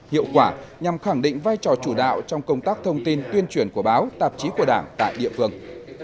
hiệu quả nhằm khẳng định vai trò chủ đạo trong công tác thông tin tuyên truyền của báo tạp chí của đảng tại địa phương